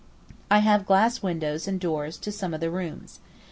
I have glass windows and doors to some of the rooms.